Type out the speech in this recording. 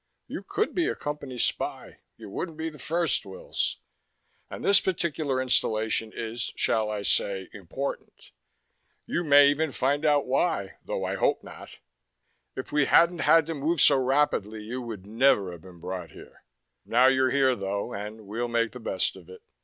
You could be a Company spy. You wouldn't be the first, Wills. And this particular installation is, shall I say, important. You may even find why, though I hope not. If we hadn't had to move so rapidly, you would never have been brought here. Now you're here, though, and we'll make the best of it."